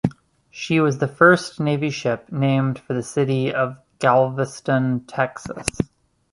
She was the first Navy ship named for the city of Galveston, Texas.